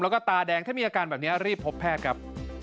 แล้วก็ตาแดงถ้ามีอาการแบบนี้รีบพบแพทย์ครับ